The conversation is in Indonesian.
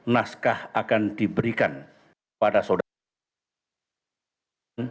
naskah akan diberikan pada saudara